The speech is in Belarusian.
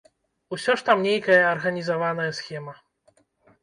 Усё ж там нейкая арганізаваная схема.